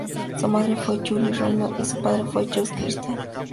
Su madre fue Julie Reinhold y su padre fue Justus Christian Felix Seidel.